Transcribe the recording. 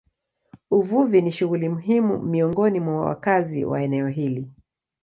Uvuvi ni shughuli muhimu miongoni mwa wakazi wa eneo hili.